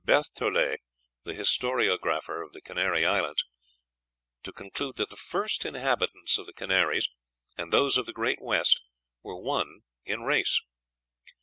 Bertholet, the historiographer of the Canary Islands, to conclude that the first inhabitants of the Canaries and those of the great West were one in race."